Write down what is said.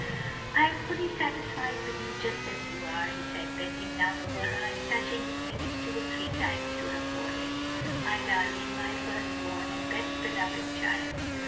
"I am fully satisfied with you just as you are," he said, bending down over her and touching his lips two or three times to her forehead, "My darling, my first born and best beloved child!